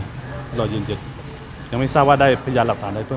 ยังสอบสวนอยู่อ่ะยังไม่สรุปความเห็นทางคดี